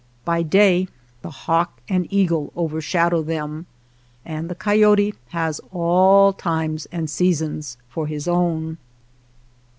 By day the hawk and eagle overshadow them, and the coyote has all times and seasons for his own.